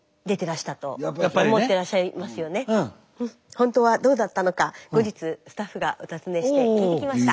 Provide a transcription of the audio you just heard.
ほんとはどうだったのか後日スタッフがお訪ねして聞いてきました。